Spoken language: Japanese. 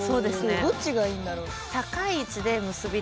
どっちがいいんだろう？